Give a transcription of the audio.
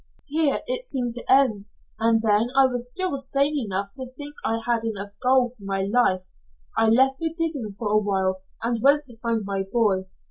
Here it seemed to end, and then I was still sane enough to think I had enough gold for my life; I left the digging for a while, and went to find my boy.